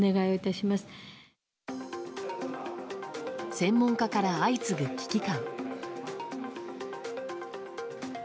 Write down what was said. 専門家から相次ぐ危機感。